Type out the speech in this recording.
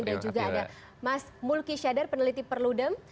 dan juga ada mas mulki shadar peneliti perludem